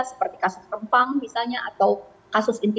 seperti kasus rempang misalnya atau kasus inti